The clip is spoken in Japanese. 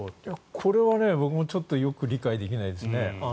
これは僕もよく理解できないですね。